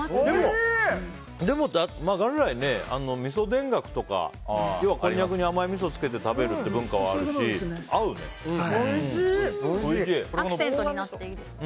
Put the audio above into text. でも元来、みそ田楽とか要はこんにゃくに甘いみそつけて食べるっていうアクセントになっていいですね。